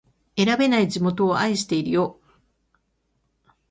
選べない地元を愛してるよ